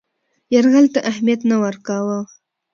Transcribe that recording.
یرغل ته اهمیت نه ورکاوه.